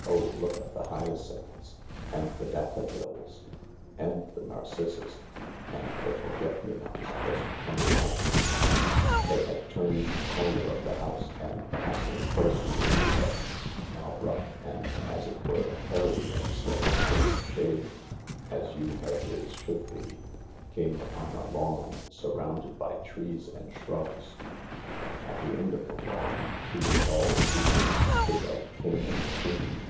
Oh, look at the hyacinths 1 And the daffodils ! And the narcissus I And the forget me nots just coming out I " M THE LARK They had turned the corner of the house and, passing close tothe yew hedge, now rough and, as it were, hairy, instead of close shaved, as yew hedges should be, came upon a lawn surrounded by trees and shrubs. At the end of the lawn two tall cedars stood like king and queen.